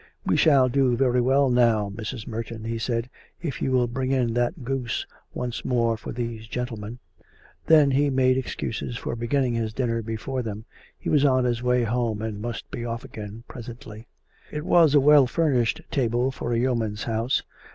" We shall do very well now, Mrs. Merton," he said, " if you will bring in that goose once more for these gentle men." Then he made excuses for beginning his dinner before 30 COME RACK! COME ROPE! them: he was on his way home and musrt be off again presently. It was a well furnished table for a yeoman's house.